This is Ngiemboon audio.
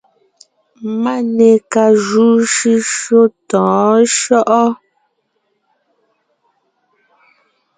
Máne ka júu shʉ́shyó tɔ̌ɔn shyɔ́ʼɔ ?